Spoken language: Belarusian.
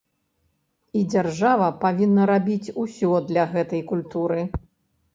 І дзяржава павінна рабіць усё для гэтай культуры.